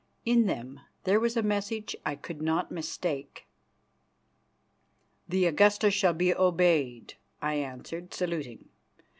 In them there was a message I could not mistake. "The Augusta shall be obeyed," I answered, saluting.